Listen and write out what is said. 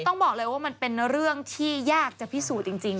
ต้องบอกเลยว่ามันเป็นเรื่องที่ยากจะพิสูจน์จริง